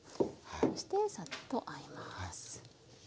そしてサッとあえます。